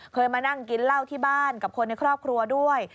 เคยมานั่งกินเหล้าที่บ้านกับคนในครอบครัวด้วย